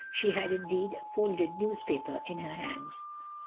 —she had indeed a folded newspaper in her hands.